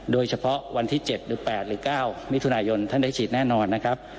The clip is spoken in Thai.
โดยเฉพาะวันที่๗หรือ๘หรือ๙มิถุนายนท่านได้ฉีดแน่นอนนะครับ